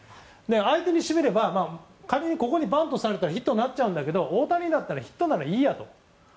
相手にしてみれば仮に、ここにバントされたらヒットになっちゃうんだけど大谷ならヒットでもいいやと。